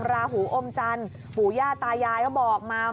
ราหูอมจันทร์ปู่ย่าตายายก็บอกมา